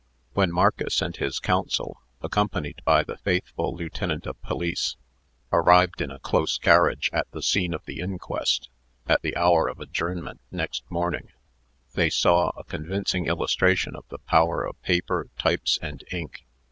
When Marcus and his counsel, accompanied by the faithful lieutenant of police, arrived in a close carriage at the scene of the inquest, at the hour of adjournment next morning, they saw a convincing illustration of the power of paper, types, and ink.